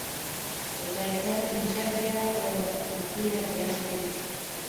Utahitaji nishati yako ya kupikia viazi lishe